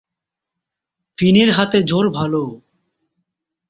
ফিনের হাতে জোর ভালো!